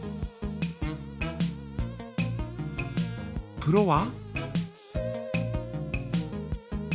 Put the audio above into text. プロは？